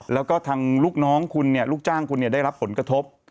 แล้วก็ทางลูกน้องคุณเนี่ยลูกจ้างคุณได้รับผลกระทบ